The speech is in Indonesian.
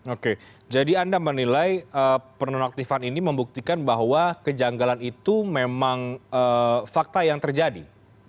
oke jadi anda menilai penonaktifan ini membuktikan bahwa kejanggalan itu memang fakta yang terjadi